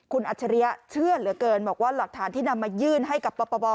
คุณอัจฉริยะเชื่อเหลือเกินบอกว่าหลักฐานที่นำมายื่นให้กับปป